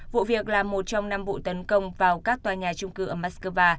vụ việc là một trong năm vụ tấn công vào các tòa nhà trung cư ở moscow